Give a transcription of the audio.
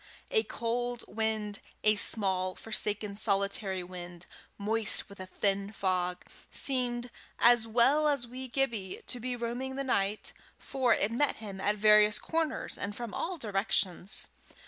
A cold wind, a small, forsaken, solitary wind, moist with a thin fog, seemed, as well as wee Gibbie, to be roaming the night, for it met him at various corners, and from all directions.